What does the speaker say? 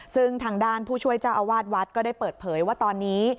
ซึ่งทางด้านผู้ช่วยเจ้าอาวาสวัดก็ได้เปิดเผยว่าตอนนี้